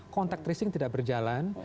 contact tracing tidak berjalan